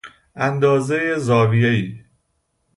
اندازه زاویه ای